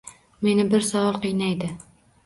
Meni bir savol qiynaydi